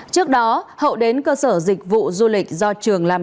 trước đó hậu đến cơ sở dịch vụ du lịch do trường làm